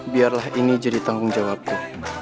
biarlah ini jadi tanggung jawabku